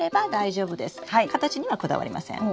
形にはこだわりません。